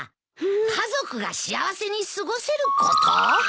「家族が幸せに過ごせること」？